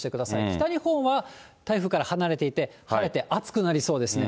北日本は台風から離れていて、晴れて暑くなりそうですね。